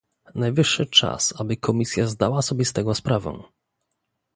Najwyższy czas, aby Komisja zdała sobie z tego sprawę